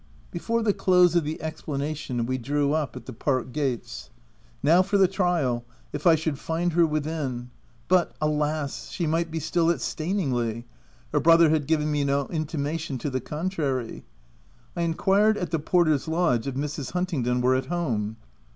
Before the close of the explanation, we drew up at the park gates. Now for the trial— if I should find her within — but alas ! she might be still at Staningley : her brother had given me no intimation to the contrary. I enquired at the porter's lodge if Mrs. Huntingdon were at home.